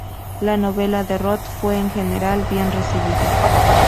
La novela de Roth fue en general bien recibida.